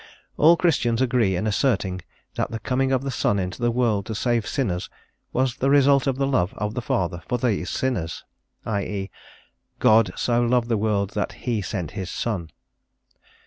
All Christians agree in asserting that the coming of the Son into the world to save sinners was the result of the love of the Father for these sinners; i.e., "God so loved the world that He sent His Son."